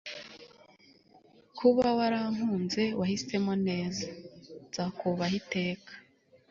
kuba warankunze wahisemo neza nzakubaha iteka